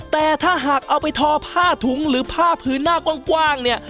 แต่ถ้าหากเอาไปทอผ้าถุงหรือผ้าพื้นหน้ากว้างเนี่ย